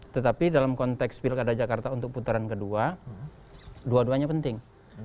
tetapi dalam konteks pilkada jakarta untuk putaran kedua dua duanya penting